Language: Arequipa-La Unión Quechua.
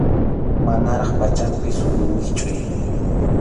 Manaraq pachanpi sullu wischʼuy.